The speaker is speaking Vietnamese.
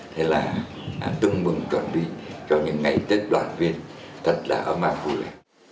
thế là tương mừng chuẩn bị cho những ngày tết đoàn viên thật là ấm áp vui